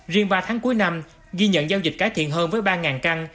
riêng ba tháng cuối năm ghi nhận giao dịch cải thiện hơn với ba căn